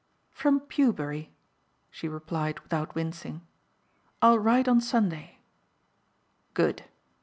"From Pewbury," she replied without wincing. "I'll write on Sunday." "Good.